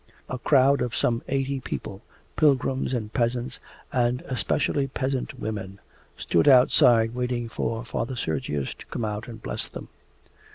A crowd of some eighty people pilgrims and peasants, and especially peasant women stood outside waiting for Father Sergius to come out and bless them.